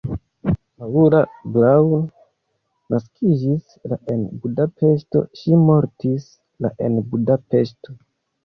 Paula Braun naskiĝis la en Budapeŝto, ŝi mortis la en Budapeŝto.